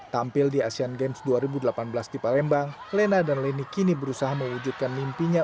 tampil di asean games dua ribu delapan belas di palembang lena dan leni kini berusaha mewujudkan mimpinya